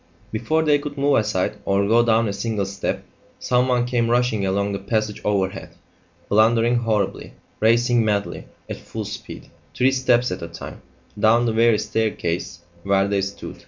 Before they could move aside, or go down a single step, someone came rushing along the passage overhead, blundering horribly, racing madly, at full speed, three steps at a time, down the very staircase where they stood.